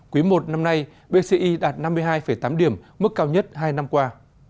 quý i năm nay bci đạt năm mươi hai tám điểm mức cao nhất hai năm qua